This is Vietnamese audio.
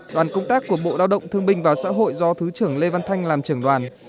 đoàn công tác của bộ lao động thương binh và xã hội do thứ trưởng lê văn thanh làm trưởng đoàn